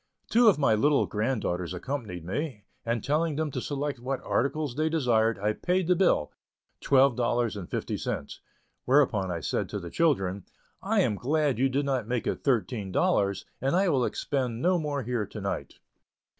Two of my little granddaughters accompanied me, and telling them to select what articles they desired, I paid the bill, twelve dollars and fifty cents. Whereupon I said to the children, "I am glad you did not make it thirteen dollars, and I will expend no more here to night."